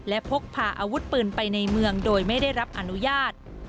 และพกพาอาวุธปืนไปในเมืองโดยไม่ได้รับอนุญาต